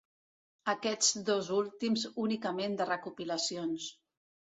Aquests dos últims únicament de recopilacions.